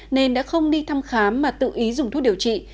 nên đã không đi thăm khám mà tự ý dùng thuốc điều trị